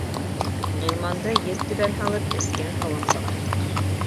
Ғилманды йөҙ түбән һалып, эскән һыуын сығарттыҡ.